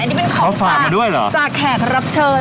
อันนี้เป็นของฝากมาด้วยเหรอจากแขกรับเชิญ